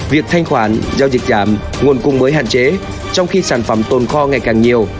việc thanh khoản giao dịch giảm nguồn cung mới hạn chế trong khi sản phẩm tồn kho ngày càng nhiều